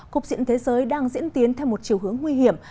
cuộc diễn thế giới đang diễn tiến theo một chiều hướng nguy hiểm